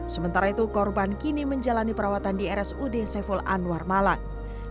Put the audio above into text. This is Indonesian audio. sementara itu korban kini menjalani perawatan di rsud saiful anwar malang